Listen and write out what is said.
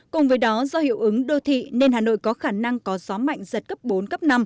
cùng với đó do hiệu ứng đô thị nên hà nội có khả năng có gió mạnh giật cấp bốn cấp năm